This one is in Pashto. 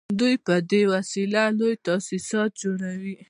دوی په دې وسیله لوی تاسیسات جوړوي